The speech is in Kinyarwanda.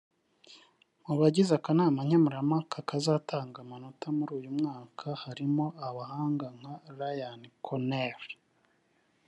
Mu bagize akanama nkemurampaka kazatanga amanota muri uyu mwaka harimo abahanga nka Ryan Connely